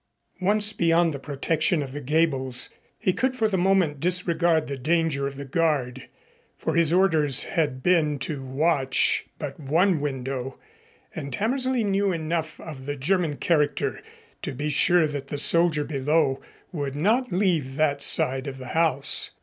Once beyond the protection of the gables he could for the moment disregard the danger of the guard, for his orders had been to watch but one window, and Hammersley knew enough of the German character to be sure that the soldier below would not leave that side of the house.